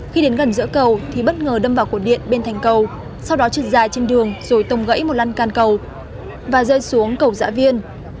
khi đến gần giữa cầu thì bất ngờ đâm vào cổ điện bên thành cầu sau đó trượt dài trên đường rồi tông gãy một lăn can cầu và rơi xuống cầu giã viên